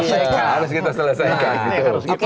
nah berarti itu harus kita selesaikan